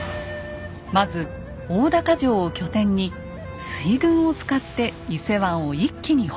まず大高城を拠点に水軍を使って伊勢湾を一気に北上。